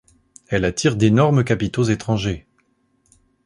Elle attire d'énormes capitaux étrangers.